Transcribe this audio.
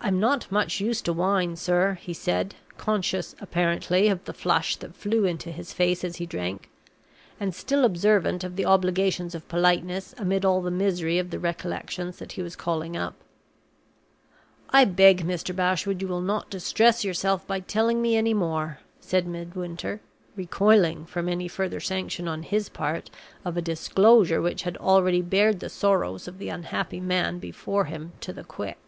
"I'm not much used to wine, sir," he said, conscious, apparently, of the flush that flew into his face as he drank, and still observant of the obligations of politeness amid all the misery of the recollections that he was calling up. "I beg, Mr. Bashwood, you will not distress yourself by telling me any more," said Midwinter, recoiling from any further sanction on his part of a disclosure which had already bared the sorrows of the unhappy man before him to the quick.